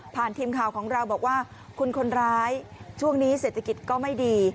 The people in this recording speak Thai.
ทีมข่าวของเราบอกว่าคุณคนร้ายช่วงนี้เศรษฐกิจก็ไม่ดี